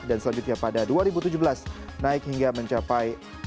dan selanjutnya pada dua ribu tujuh belas naik hingga mencapai empat tujuh triliun rupiah